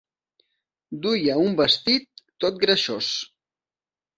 Duia un vestit tot greixós.